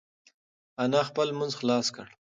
انا خپل لمونځ خلاص کړی و.